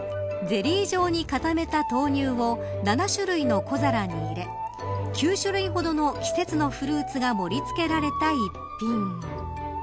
ゼリー状に固めた豆乳を７種類の小皿に入れ９種類ほどの季節のフルーツが盛り付けられた一品。